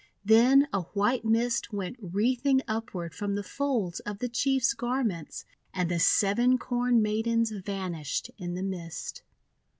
Then a white mist went wreathing upward from the folds of the Chief's garments, and the Seven Corn Maidens vanished in the mist.